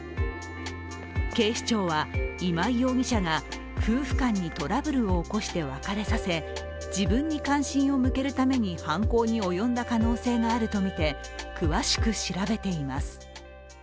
警視庁は、今井容疑者が夫婦間にトラブルを起こして別れさせ自分に関心を向けるために犯行に及んだ可能性があるとみて、詳しく調べています。